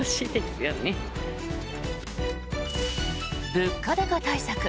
物価高対策。